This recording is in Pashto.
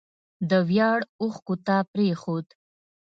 د ویاړ اوښکو ته پرېښود